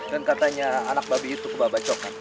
dan katanya anak babi itu kebabacokan